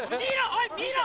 おい見ろ！